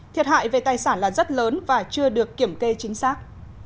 thiệt hại về tài sản là rất lớn và chưa được kiểm kê chính xác